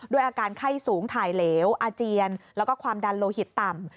อาการไข้สูงถ่ายเหลวอาเจียนแล้วก็ความดันโลหิตต่ำ